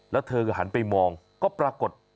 แล้วเธอก็หันไปมองก็ปรากฏ